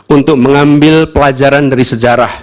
untuk mengambil pelajaran dari sejarah